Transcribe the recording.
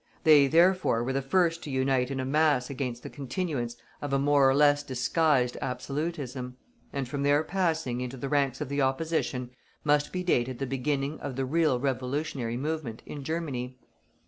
They, therefore, were the first to unite in a mass against the continuance of a more or less disguised Absolutism, and from their passing into the ranks of the opposition must be dated the beginning of the real revolutionary movement in Germany.